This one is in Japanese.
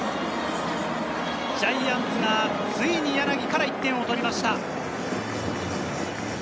ジャイアンツがついに柳から１点を奪いました。